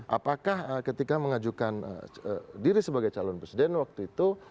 apakah ketika mengajukan diri sebagai calon presiden waktu itu